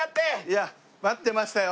いや待ってましたよ。